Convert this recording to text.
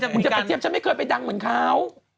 มึงจะไปเทียบฉันไม่เคยไปดังเหมือนเขา